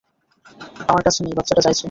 আমার কাছে নেই,, বাচ্চাটা চাইছে।